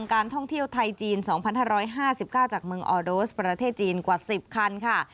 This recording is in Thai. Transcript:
การท่องเที่ยวไทยจีนสองพันธ้าร้อยห้าสิบเก้าจากเมืองออโดสประเทศจีนกว่าสิบคันค่ะ